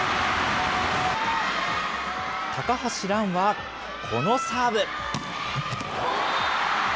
高橋藍はこのサーブ。